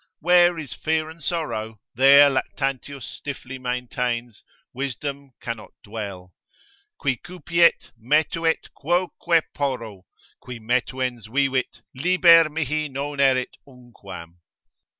Where is fear and sorrow, there Lactantius stiffly maintains, wisdom cannot dwell, ———qui cupiet, metuet quoque porro, Qui metuens vivit, liber mihi non erit unquam.